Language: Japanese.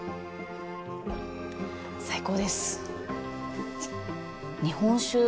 最高です。